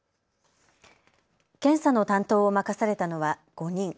検査の担当を任されたのは５人。